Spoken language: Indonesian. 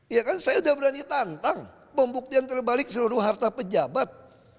ya kan saya sudah berani tantang pembuktian terbalik seluruh harta pejabat